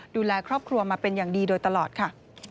ดูแลครอบครัวมาเป็นอย่างดีโดยตลอดค่ะ